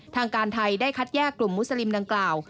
ทางการไทยได้คัดแยกกลุ่มมุสลิมดังกล่าว